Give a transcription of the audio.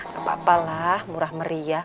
gapapa lah murah meriah